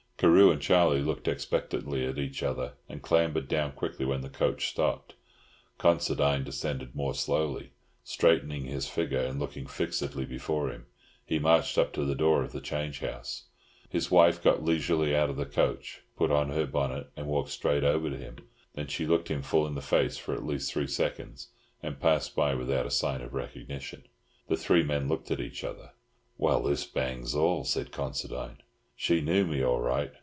Carew and Charlie looked expectantly at each other, and clambered down quickly when the coach stopped. Considine descended more slowly; straightening his figure and looking fixedly before him, he marched up to the door of the change house. His wife got leisurely out of the coach, put on her bonnet, and walked straight over to him; then she looked him full in the face for at least three seconds, and passed by without a sign of recognition. The three men looked at each other. "Well, this bangs all," said Considine. "She knew me all right.